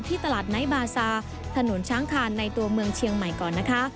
ตลาดไนท์บาซาถนนช้างคานในตัวเมืองเชียงใหม่ก่อนนะคะ